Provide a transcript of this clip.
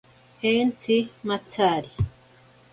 Entsi matsari.